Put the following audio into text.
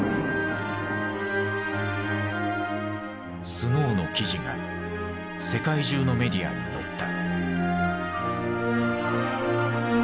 スノーの記事が世界中のメディアに載った。